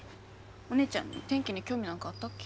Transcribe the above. お姉ちゃん天気に興味なんかあったっけ？